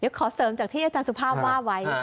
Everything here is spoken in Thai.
เดี๋ยวขอเสริมจากที่อาจารย์สุภาพว่าไว้